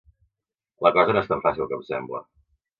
La cosa no és tan fàcil com sembla.